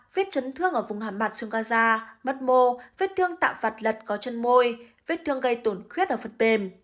vết chấn thương ở vùng hàm mặt xương ca da mất mô vết thương tạm vặt lật có chân môi vết thương gây tổn khuyết ở phần bềm